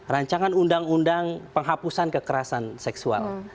rancangan undang undang penghapusan kekerasan seksual